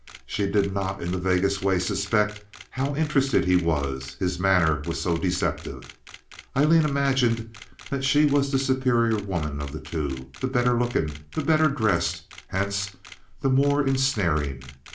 She did not in the vaguest way suspect how interested he was—his manner was so deceptive. Aileen imagined that she was the superior woman of the two, the better looking, the better dressed, hence the more ensnaring.